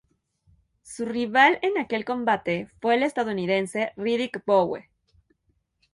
Su rival en aquel combate fue el estadounidense Riddick Bowe.